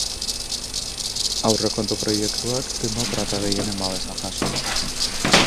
Aurrekontu proiektuak demokrata gehienen babesa jaso du.